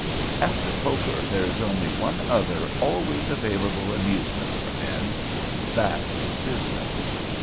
After poker there is only one other always available amusement for men, and that is business.